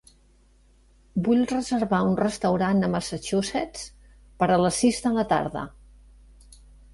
Vull reservar un restaurant a Massachusetts per a les sis de la tarda.